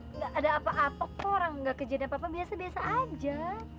nggak ada apa apa kok orang nggak kejadian apa apa biasa biasa aja